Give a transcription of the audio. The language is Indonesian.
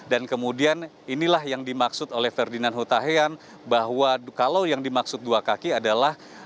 dan kemudian inilah yang dimaksud oleh ferdinand hutahian bahwa kalau yang dimaksud dua kaki adalah